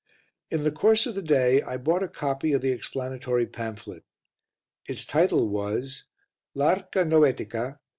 In the course of the day I bought a copy of the explanatory pamphlet. Its title was L'Arca Noetica.